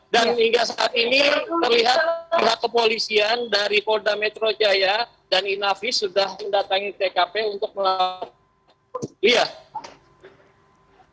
dan hingga saat ini terlihat berlaku polisian dari kota metro jaya dan inafi sudah mendatangi tkp untuk melakukan penyelamatkan